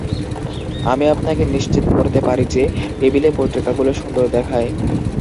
আমি আপনাকে নিশ্চিত করতে পারি যে, টেবিলে পত্রিকাগুলো সুন্দর দেখায়।